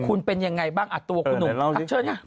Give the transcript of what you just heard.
คุณเป็นอย่างไงบ้างตัวของคุณหนุ่ม